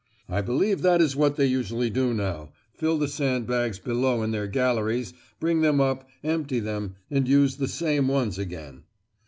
I believe that is what they usually do now, fill the sand bags below in their galleries, bring them up, empty them, and use the same ones again."